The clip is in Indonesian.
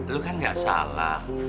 lo kan gak salah